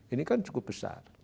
ini kan cukup besar